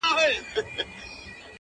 د تورو زلفو په هر تار راته خبري کوه!!